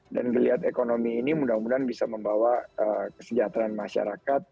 dan melihat ekonomi ini mudah mudahan bisa membawa kesejahteraan masyarakat